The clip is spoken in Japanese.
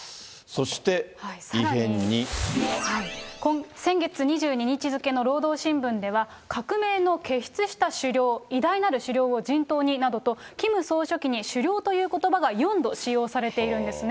さらに、先月２２日付の労働新聞では、革命の傑出した首領、偉大なる首領を陣頭になどと、キム総書記に首領ということばが４度使用されているんですね。